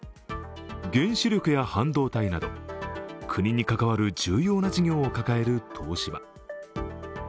原子力や半導体など、国に関わる重要な事業を抱える東芝。